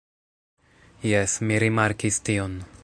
Jes, mi rimarkis tion.